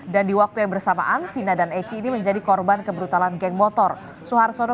dan di waktu yang bersamaan vina dan eki ini menjadi korban keberutalan geng motor suharsono